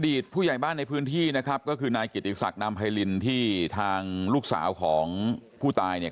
ผู้ใหญ่บ้านในพื้นที่นะครับก็คือนายเกียรติศักดิ์นามไพรินที่ทางลูกสาวของผู้ตายเนี่ย